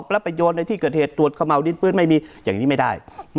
แล้วไปโยนในที่เกิดเหตุตรวจขม่าวดินปืนไม่มีอย่างนี้ไม่ได้